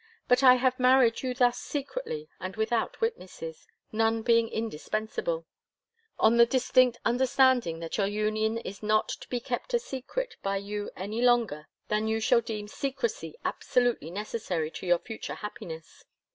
But I have married you thus secretly and without witnesses none being indispensable on the distinct understanding that your union is not to be kept a secret by you any longer than you shall deem secrecy absolutely necessary to your future happiness.